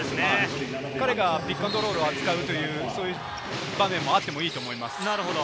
彼がピックアンドロールを使うという場面もあってもいいと思います。